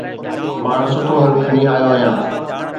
مان سٺو حل کڻي آيو آهيان